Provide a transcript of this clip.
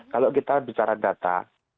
kalau kita bicara data